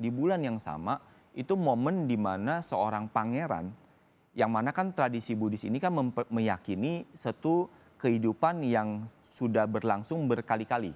di bulan yang sama itu momen dimana seorang pangeran yang mana kan tradisi budis ini kan meyakini satu kehidupan yang sudah berlangsung berkali kali